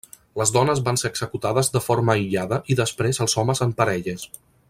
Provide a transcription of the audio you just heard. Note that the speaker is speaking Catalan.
Les dones van ser executades de forma aïllada i després els homes en parelles.